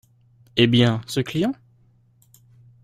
Eh bien, ce client ?